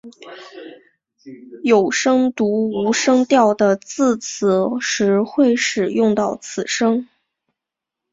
有时读无声调的字词时会使用到此音。